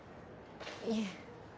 いえ。